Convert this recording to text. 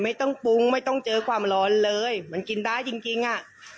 ไม่ต้องปรุงไม่ต้องเจอความร้อนเลยมันกินได้จริงจริงอ่ะ